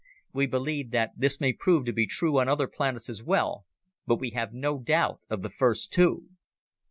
We believe that this may prove to be true on other planets as well, but we have no doubt of the first two.